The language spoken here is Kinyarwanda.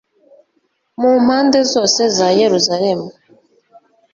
mu mpande zose za yeruzalemu